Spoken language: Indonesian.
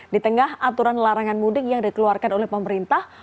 di tengah aturan larangan mudik yang dikeluarkan oleh pemerintah